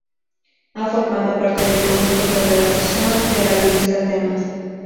Ha formado parte del consejo de redacción de la revista Temas.